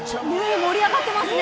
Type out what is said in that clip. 盛り上がっていますね。